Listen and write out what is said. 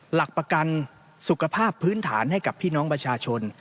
หลักประกันสุขภาพพื้นฐานให้กับพี่น้องประชาชน